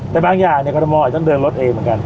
แต่บางอย่างกรทมอาจจะต้องเดินรถเองเหมือนกัน